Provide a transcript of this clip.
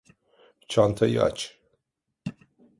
Çantayı aç.